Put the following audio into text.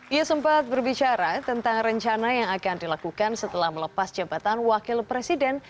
ia sempat berbicara tentang rencana yang akan dilakukan setelah melepas jabatan wakil presiden